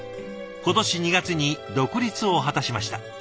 今年２月に独立を果たしました。